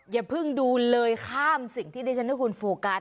อย่าเพิ่งดูเลยข้ามสิ่งที่ดิฉันให้คุณโฟกัส